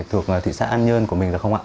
thuộc thị xã an nhơn của mình được không ạ